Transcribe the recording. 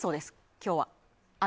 今日は、穴。